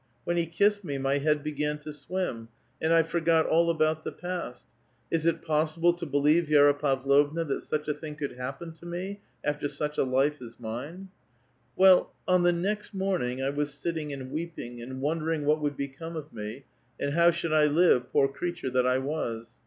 When he kissed me, my head began to swim, and I forgot all about the past; is it possible to believe, Vi^ra Pavlovna, tliat such a thing could happen to me after such a life as mine? *' Well, on tlie next morning, I was sitting and weeping, and wondering what would become of me, and how should I live, poor creature that 1 was.